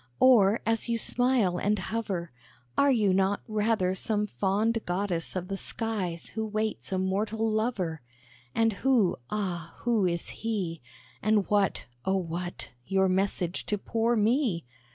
Or, as you smile and hover, Are you not rather some fond goddess of the skies who waits a mortal lover? And who, ah! who is he? And what, oh, what! your message to poor me?"